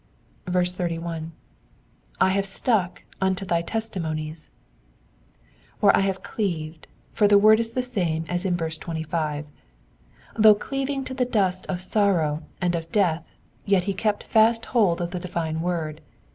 81. "/ Jiave ttuch unto thy testimoniesy^^ — or I have cleaved, for the word is the same as in verse 25. Though cleaving to the dust of sorrow and of death, yet he kept fast hold of the divine word.